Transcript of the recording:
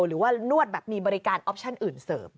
หรือว่านวดแบบมีบริการออปชั่นอื่นเสิร์ฟ